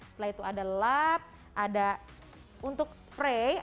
setelah itu ada lap ada untuk spray alias air dan air ini juga bisa kita tolak toklak dan kita bisa